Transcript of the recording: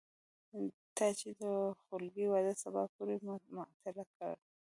تا چې د خولګۍ وعده سبا پورې معطله کړه